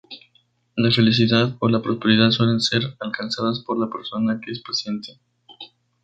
La felicidad o la prosperidad suelen ser alcanzadas por la persona que es paciente.